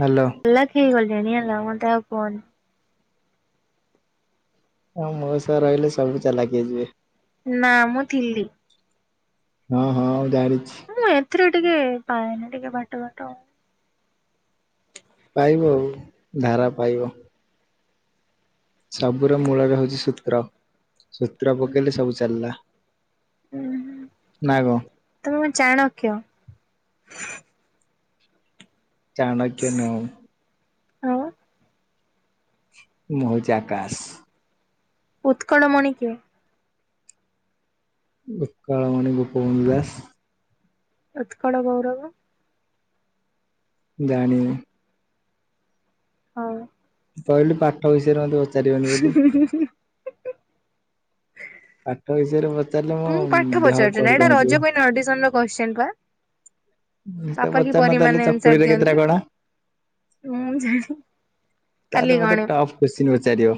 Hello. ଚାଲାଖ ହେଇଗଲିଣି ହେଲା ମତେ ଆଉ କୁହନି। ଆ ମଉସା ରହିଲେ ସବୁ ଚାଲାକି ହେଇଯିବେ। ନା ମୁଁ ଥିଲି। ହଁ ହଁ ମୁଁ ଜାଣିଚି। ମୁଁ ଏଥିରେ ଟିକେ ପାଏନି ଟିକେ ବାଟ ବାଟ ପାଇବ ଆଉ ଧାରା ପାଇବ। ସବୁର ମୂଳରେ ହଉଚି ସୂତ୍ର। ସୂତ୍ର ପକେଇଲେ ସବୁ ଚାଲିଲା ହୁଁ ନା କଁ। ତମେ କଁ ଚାଣକ୍ୟ? ଚାଣକ୍ୟ ନୁହ। ଆଉ। ମୁ ହୋଉଚି ଆକାଶ। ଉତ୍କଳ ମଣିି କିଏ? ଉତ୍କଳ ମଣି ଗୋପ ବନ୍ଧୁ ଦାସ। ଉତ୍କଳ ଗୌରବ? ଜାଣିନି। ହଉ। କହିଲୁ ପାଠ ବିଷୟରେ ମତେ ପ [unintelligible] ପାଠ ବିଷୟରେ ପଚାରିଲେ ମୋ ଦେହ କୁଆଡୁ କଣ ହେଇଯିବ। ଅଡିସନ୍ ର କୋତ୍ସିନ ପା। ତ ପାପା କି ପଚାରୁନ ପରି ତାହେଲେ ମାନେ ଆନ୍ସର ଚକୁଳିରେ କେତେଟା ଦିଅନ୍ତି, କଣା? ମୁଁ ଜାଣି କାଲି ତାହାଲେ ମତେ ଗଣେ ଟପ୍ କୋତ୍ସିନ୍ ପଚାରିବ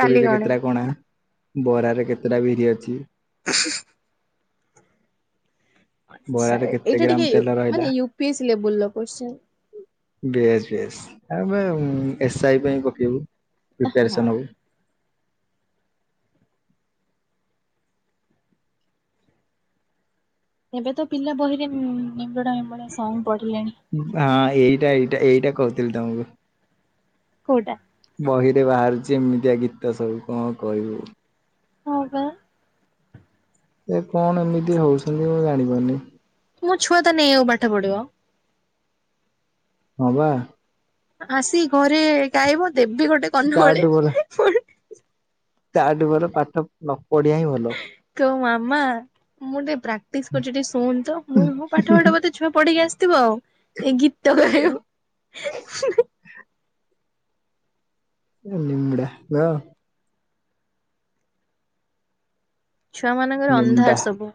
କାଲି ଗଣେ। କେତେଟା କଣା। ବରାରେ କେତେଟା ବିରି ଅଛି? [unintelligible] ଆଛା ବରାରେ କେତେ ଏଇଟା ଗ୍ରାମ ଟିକେ ତେଲ ରହିଲା ମାନେ ୟୁପିଏସ୍ ଲେବୁଲ୍ ର କୋତ୍ସିନ୍। ବେଶ ବେଶ ଆମେ ଏସ୍ ଆଇ ପାଇଁ ପକେଇବୁ ହଁ। ପ୍ରିପାରେସନ୍ ହବୁ। ଏବେ ତ ପିଲା ବହିରେ ନିମ୍ୱୁଡ଼ା ନିମ୍ୱୁଡ଼ା ସଙ୍ଗ ପଢିଲେଣି। ବା ଏଇଟା ଏଇଟା ଏଇଟା କହୁଥିଲି ତମକୁ। କୋଉଟା? ବହିରେ ବାହାରୁଛି ଏମିତିଆ ଗୀତ ସବୁ କଁ କହିବୁ। ହଁ ପା। ଏ କଣ ଏମିତି ହଉଛନ୍ତି ମୁଁ ଜାଣିପାରୁନି। ମୋ ଛୁଆ ତାନେ ଇୟାକୁ ପାଠ ପଢିବ। ହଁ ବା। ଆସି ଘରେ ଗାଇବ ଦେବି ଗୋଟେ ସେ କନମୂଳି ତାଠୁ ଭଲ ପୁଣି। ତାଠୁ ଭଲ ପାଠ ନ ପଢିଆ ହିଁ ଭଲ। ତୋ ମାମା ମୁଁ ଟିକେ ପ୍ରାକ୍ଟିସ୍ କରୁଛି ଟିକେ ଶୁଣନ୍ତ ମୁଁ ହଁ ପାଠପଠ ବୋଧେ ଛୁଆ ପଢି଼କି ଆସିଥିବ ଏ ଗୀତ ଗାଇବ। ଏ ନିମୁଡ଼ା ର। ଛୁଆମାନଙ୍କର ନିମଡା ଅନ୍ଧାର ସବୁ।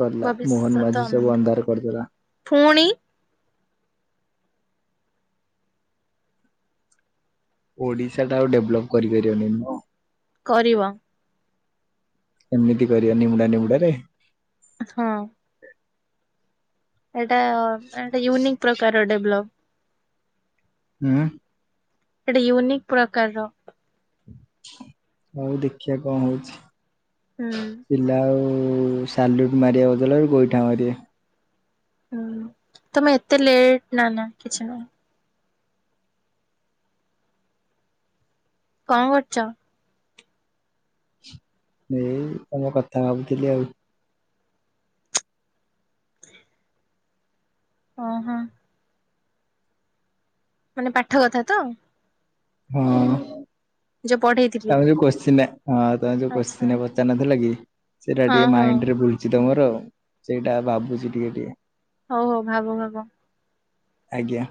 ଗଲା ମୋହନ ମାଝି ସବୁ ଅନ୍ଧାର କରିଦେଲା। ଫୁଣି। ଓଡ଼ିଶାଟା ଆଉ ଡେଭଲପ୍ କରିପାରିବନେଇ। ଅ କରିବ। ଏମିତି କରିବ ନିମୁଡ଼ା ନିମୁଡ଼ାରେ? ହଁ। ଏଟା ଏଟା ୟୁନିକ୍ ପ୍ରକାର ଡେଭଲପ୍। ଉଁ? ହେଟି ୟୁନିକ୍ ପ୍ରକାରର। ହଉ ଦେଖିଆ କଁ ହଉଚି। ହୁଁ। ପିଲା ଆଉ ସାଲୁଟ୍ ମାରିବା ବଦଳରେ ଗୋଇଠା ମାରିବେ। ହୁଁ ତମେ ଏତେ ଲେଟ୍ ନାଁ ନାଁ କିଛି ନାହିଁ। କଁ କରଚ? ଏଇ ତମ କଥା ଭାବୁଥିଲି ଆଉ। ଅଁ ହଁ। ମାନେ ପାଠ କଥା ତ? ହଁ ଯୋଉ ପଢେଇଥିଲି। ତମେ ଯୋଉ କୋଶ୍ଚିନଟା ହଁ ତମେ ଯୋଉ ଆଚ୍ଛା। କୋଶ୍ଚିନ ପଚାରନଥିଲା କି ସେଟା ହଁ ଟିକେ ହଁ ମାଇଣ୍ଡ୍ ରେ ଭୁ ଚି ତ ମୋର ସେଇଟା ଭାବୁଚି ଟିକେ ଟିକେ। ହଉ ହଉ ଭାବ ଭାବ। ଆଜ୍ଞା।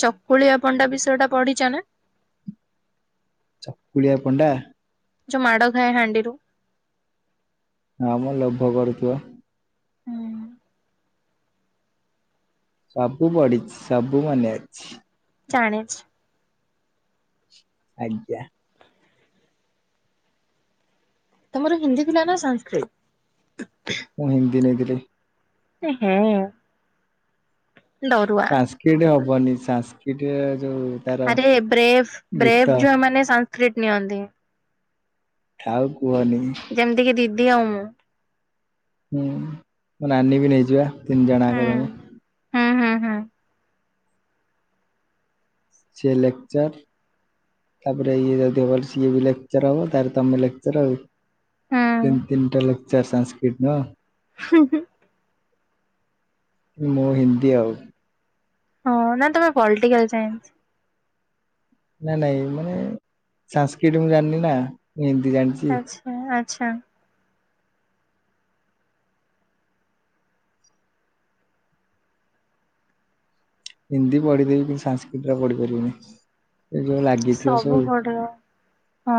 ଚକୁଳିଆ ପଣ୍ଡା ବିଷୟଟା ପଢ଼ିଚ ନା? ଚକୁଳିଆ ପଣ୍ଡା? ଯୋ ମାଡ଼ ଖାଏ ହାଣ୍ଡିରୁ। ହଁ ମୁଁ ଲୋଭ କରୁଥୁବ। ହୁଁ। ସବୁ ପଢି଼ଚି ସବୁ ମନେ ଅଛି। ଜାଣିଚି। ଆଜ୍ଞା। ତମର ହିନ୍ଦୀ ଥିଲା ନାଁ ସାଂସ୍କ୍ରି? ମୁଁ ହିନ୍ଦୀ ନେଇଥିଲି। ଏଁ ହେଁ। ଡରୁଆ ସାଂସ୍କିଟ୍ ହବନି ସାଂସ୍କିଟ୍ ଏ ଯୋଉ ତାର ଆରେ ବ୍ରେଭ୍ ଗୀତ ବ୍ରେଭ୍ ଝୁଆମାନେ ସାଂସ୍କ୍ରିଟ୍ ନିଅନ୍ତି। ଥାଉ କୁହନି। ଯେମତି କିି ଦିଦି ଆଉ ମୁଁ? ହୁଁ ମୋ ନାନୀ ବି ନେଇଚି ବା ତିନି ଜଣ ଆଙ୍କ ହୁଁ। ତମେ ହୁଁ ହୁଁ ହୁଁ। ସିଏ ଲେକ୍ଚର୍। ତାପରେ ଇଏ ଯଦି ହବ ସିଏ ବି ଲେକ୍ଚର ହବ ତାପରେ ତମେ ଲେକ୍ଚର ଆଉ। ତିନ ହୁଁ ତିନଟା ଲେକ୍ଚର ସାନ୍ସକ୍ରୀଟ୍ ନା। ହୁଁ ହୁଁ। ମୋ ହିନ୍ଦୀ ଆଉ। ହଁ ନା ତମେ ପଲିଟିକାଲ ସାଇନ୍ସ। ନାଇ ନାଇଁ ମାନେ ସଂସ୍କୃତ ମୁଁ ଜାଣିନି ନା ମୁଁ ହିନ୍ଦୀ ଜାଣିଛି। ଆଛା ଆଛା। ହିନ୍ଦୀ ପଢିଦେବି କିନ୍ତୁ ସଂସ୍କୃତ ରେ ପଢି ପାରିବିନି ଏ ଯୋଉ ଲାଗିଥିବ ସବୁ ହଁ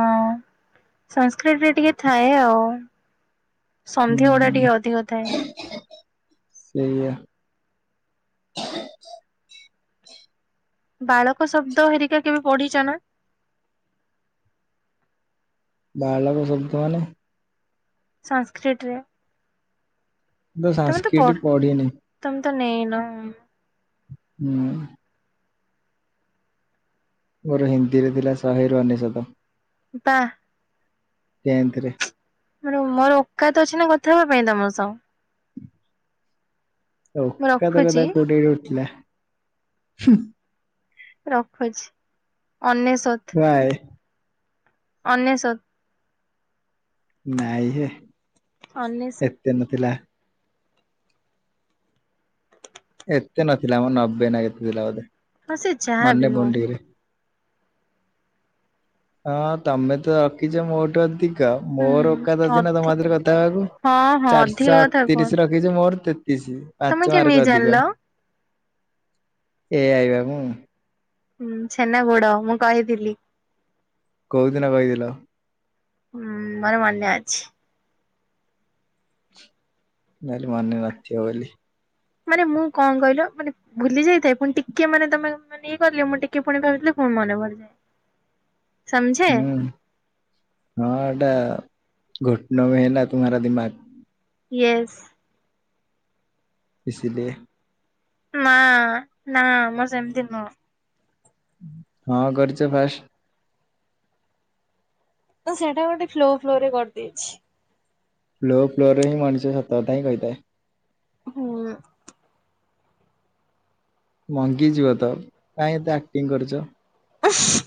ସଂସ୍କୃତରେ ଟିକେ ଥାଏ ଆଉ ସନ୍ଧୀ ଗୁଡା ହୁଁ ଟିକେ ଅଧିକ ଥାଏ। ସେଇଆ ବାଳକ ଶବ୍ଦ ହେରିକା କେବେ ପଢିଛ ନା। ବାଳକ ଶବ୍ଦ ମାନେ ସଂସ୍କୃତ ରେ ମୁଁ ତ ତମେ ପଢ ସଂସ୍କୃତ ପଢିନି ତମେ ତ ନେଇ ନ ହୁଁ। ମୋର ହିନ୍ଦୀରେ ଥିଲା ଶହେ ରୁ ଅନେଶତ। ବାଃ। ଟେନ୍ତରେ। ମନେ ମୋର ଓକାତ ଅଛି ନା କଥା ହେବା ପାଇଁ ତମ ସହ ମୁଁ ଓକାତ କଥା ରଖୁଛି କୋଉଠି ଉଠିଲା ହୁଁ ରଖୁଛି ଅନେଶତ। କାଇଁ। ଅନେଶତ। ନାଇଁ ହେ ଅନେଶତ ଏତେ ନଥିଲା। ଏତେ ନଥିଲା ମ ନବେ ନା କେତେ ଥିଲା ବୋଧେ। ହଁ ସେ ଯାହା ମନେ ବି ହଉ। ପଡୁନି ଠିକ୍ ରେ। ହଁ ତମେ ତ ରଖିଛ ମୋଠୁ ଅଧିକ। ମୋର ଓକାତ ହୁଁ ଅଛିନା ଅଧେ ତମସହ କଥା ହେବାକୁ ହଁ ହଁ ଅଧିକା ଚାରିଶହ କଥା କୁହ ଅଠତିରିଶ ର ଅଠତିରିଶ ମୋର ତେତିଶ ତମେ ପାଞ୍ଚ କେମିତି ମାର୍କ ଜାଣିଲ? ଅଧିକ। ଏ ଆଇବା ମୁଁ। ହୁଁ ଛେନାଗୁଡ ମୁଁ କହିଥିଲି। କୋଉଦିନ କହିଥିଲ? ହୁଁ ମୋର ମନେ ଅଛି। ମୁଁ ଭାବିଲି ମନେ ନଥିବ ବୋଲି ମାନେ ମୁଁ କଣ କହିଲ ମାନେ ଭୁଲି ଯାଇଥାଏ ପୁଣି ଟିକେ ମାନେ ତମେ ାନେ ଇଏ କଲି ମୁଁ ଟିକେ ପୁଣି ଭାବିଥିଲି ପୁଣି ମନେ ପଡିଯାଏ ସମଝେ ହୁଁ ହଁ ଏଟା ଘୁଟନୋ ବି ହେନା ତୁମ୍ଭାରା ଦିମାାଗ। ୟେସ। ଇସିଲିୟେ। ନା ନା ମୁଁ ସେମିତି ନୁହଁ। ହଁ କରିଛ ଫାଷ୍ଟ। ତ ସେଇଟା ଗୋଟେ ଫ୍ଲୋ ଫ୍ଲୋ ରେ କରିଦେଇଛି। ଫ୍ଲୋ ଫ୍ଲୋ ରେ ହିଁ ମଣିଷ ସତ କଥା ହିଁ କହିଥାଏ। ହୁଁ। ମଙ୍ଗିଯିବ ତ। କାଇଁ ଏତେ ଆକ୍ଟିଂ କରୁଛ? ଅଫ [unintelligible]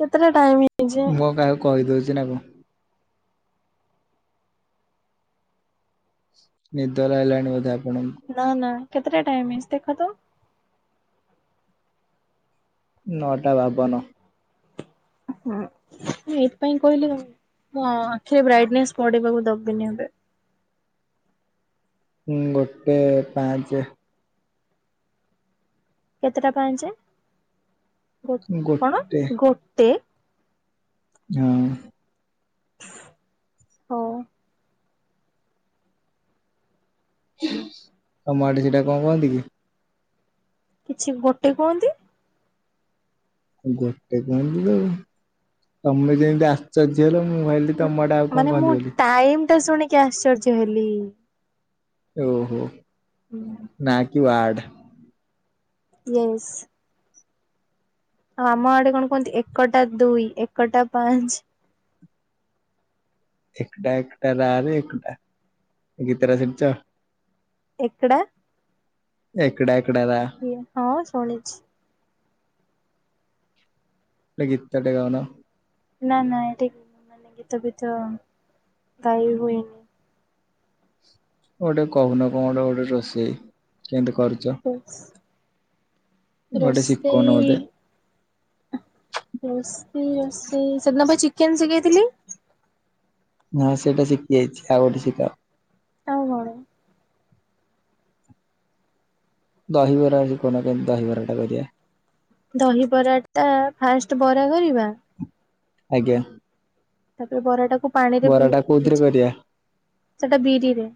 କେତେଟା ଟାଇମ? ହେଇଛି? ମୁଁ କାହାକୁ କହିଦଉଛି ନା କଣ? ନିଦ ଲାଗିଲାଣି ବଧେ ଆପଣଙ୍କୁ? ନା ନା କେତେଟା ଟାଇମ ହେଇଛି ଦେଖ ତ? ନଅଟା ବାବନ। ହୁଁ ମୁଁ ଏଇଥିପାଇଁ କହିଲି ମୋ ଆଖିରେ ବ୍ରାଇଟନେସ୍ ପଢିବାକୁ ଦବିନି ଏବେ। ହୁଁ ଗୋଟେ ପାଞ୍ଚେ। କେତେଟା ପାଞ୍ଚେ? କଣ ଗୋଟେ ଗୋଟେ? ହଁ। ହଉ ତମ ଆଡେ ସେଟା କଣ କହନ୍ତି କି? କିଛି ଗୋଟେ କୁହନ୍ତି। ଗୋଟେ କୁହନ୍ତି ତ ତମେ ଯେମିତି ଆଶ୍ଚର୍ଯ୍ୟ ହେଲ ମୁଁ ଭାବିଲି ତମ ଆଡେ ଆଉ କଣ ମାନେ କହନ୍ତି ମୁଁ ବୋଲି ଟାଇମଟା ଶୁଣିକି ଆଶ୍ଚର୍ଯ୍ୟ ହେଲି। ଓହୋ ହୁଁ। ନା କିି ୱାର୍ଡ। ୟେସ। ଆଉ ଆମ ଆଡେ କଣ କୁହନ୍ତି ଏକଟା ଦୁଇ ଏକଟା ପାଞ୍ଚେ। ଏକଟା ଏକଟା ରା ରେ ଏକଟା। ଗୀତଟା ଶୁଣିଛ? ଏକଡ଼ା ଏକଡା ଏକଡାରା। ହଁ ଶୁଣିଛି। ଗୋଟେ ଗୀତଟେ ଗାଉନ? ନା ନା ଏଠି ମାନେ ଗୀତ ଫିତ ଗାଇ ହୁଏନି। ଗୋଟେ କହୁନ କଣ ଗୋଟେ ରୋଷେଇ। କେମତି କରୁଛ? ଉପସ ଗୋଟେ ଶିଖଉନ ରୋଷେଇ ମତେ ରୋଷେଇ ରୋଷେଇ ସେଦିନ ପା ଚିକେନ ଶିଖେଇଥିଲି। ହଁ ସେଟା ଶିଖି ଯାଇଛି। ଆଉ ଗୋଟେ ଶିଖାଅ। ଆଉ କଣ? ଦହିବରା ଆଜି କହୁନା କେମତି ଦହିବରାଟା କରିବା? ଦହିବରାଟା ଫାଷ୍ଟ ବରା କରିବା। ଆଜ୍ଞା। ତାପରେ ବରାଟାକୁ ପାଣିରେ ଭି ବରାଟା ଜି କୋଉଥିରେ କରିବା ସେଟା ବିରିରେ।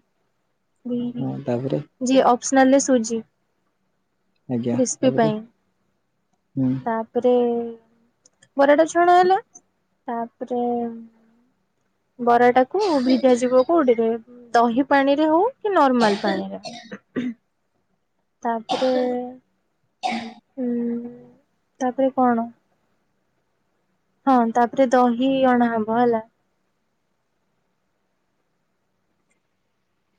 ହଁ ତାପରେ ଯି ଓପ୍ସନାଲରେ ସୁଜି। ଆଜ୍ଞା କ୍ରିସ୍ପି ତାପରେ ପାଇଁ। ହୁଁ ତା ତାପରେ ବରାଟା ଛଣା ହେଲା। ତାପରେ ବରାଟାକୁ ଭିଜା ଯିବ କୋଉଠିରେ ଦହି ପାଣିରେ ହଉ କି ନର୍ମାଲ ପାଣିରେ। ତାପରେ ଉଁ ତାପରେ କଣ? ହଁ ତାପରେ ଦହି ଅଣାହବ ହେଲା।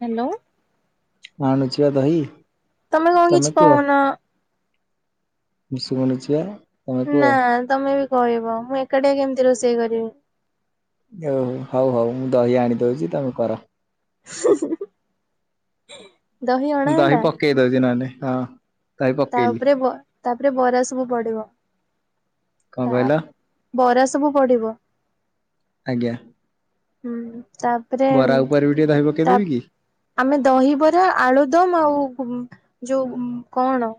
ହେନ୍ତି ନବୁ? ଆଣିଛିପା ଦହି। ତମେ କଣ କିଛି କହୁନ? ମୁଁ ଶୁଣିଛି ପରା। ନା ତମେ ବି କହିବ ମୁଁ ଏକାଟିଆ କେମିତି ରୋଷେଇ କରିବି? ଓହୋ ହଉ ହଉ ମୁଁ ଦହି ଆଣିଦଉଚି ତମେ କର। ହୁଁ ହୁଁ ଦହି ଅର୍ଡ଼ର ହେଲା। ପେଇ ଦଉଚି ନାହେଲେ ହଁ। ଦହି ତା ପକେଇଲି ଉପରେ ତାପରେ ବରା ସବୁ ପଡିବ କଣ ତା କହିଲ ବରା ସବୁ ପଡିବ। ଆଜ୍ଞା। ହୁଁ ତା ବରା ଉପରେ ବି ଟିକେ ଦହି ପକେଇଦେବି କି। ଆମେ ଦହିବରା ଆଳୁଦମ ଆଉ ଯୋଉ କଣ।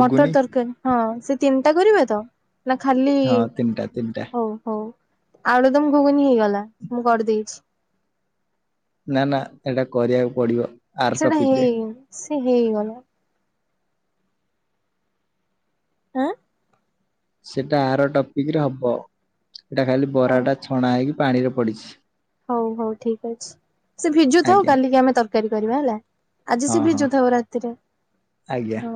ମଟର ତରକାରୀ ହଁ ସେ ତିନିଟା କରିବେ ତ। ନା ଖାଲି ହଁ ତିନିଟା ତିନିଟା ହଉ ହଉ। ଆଡ ଦମ ଘୁଗୁନି ହେଇଗଲା ମୁଁ କରିଦେଇଛି। ନା ନା ଏଟା କରିବାକୁ ପଡିବ। ଆର ସେଟା ଟପିକ ରେ ହେଇନି ସି ହେଇଗଲା। ହାଁ। ସେଟା ଆର ଟପିକ ରେ ହବ ସେଟା ଖାଲି ହଉ ବରାଟା ଛଣା ହେଇକି ପାଣି ରେ ପଡିଛି। ହଉ ହଉ ଠିକ ଅଛି ସେ ଭିଜୁଥାଉ ଆଜ୍ଞା କାଲିକି ଆମେ ତରକାରୀ କରିବା ହେଲା। ଆଜି ହଁ ସେ ହଁ ଭିଜୁ ଥାଉ ରାତିରେ ଆଜ୍ଞା ହଁ।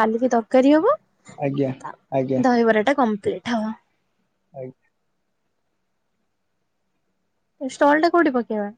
କାଲିକି ତରକାରୀ ହବ ଆଜ୍ଞା ଆଜ୍ଞା ଦହିବରା ଟା କମ୍ପ୍ଲିଟ ହବ। ଆ ଷ୍ଟଲ ଟା କଉଠି ପକେଇବା।